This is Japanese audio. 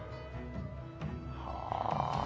はあ。